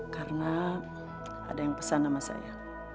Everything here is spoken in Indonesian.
karena ada yang pesan nama saya